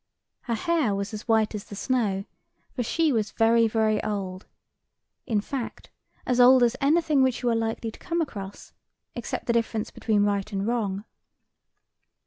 Her hair was as white as the snow—for she was very very old—in fact, as old as anything which you are likely to come across, except the difference between right and wrong.